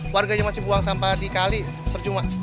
warganya masih buang sampah dikali percuma